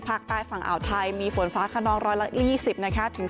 ภาคใต้ฝั่งอ่าวไทยมีฝนฟ้าขนองร้อยละ๒๐นะคะ